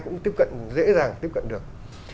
cũng tiếp cận dễ dàng tiếp cận được